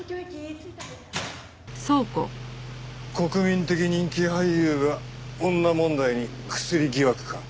国民的人気俳優が女問題にクスリ疑惑か。